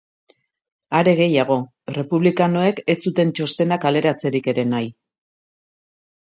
Are gehiago, republikanoek etzuten txostena kaleratzerik ere nahi.